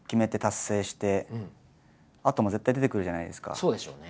結局そうでしょうね。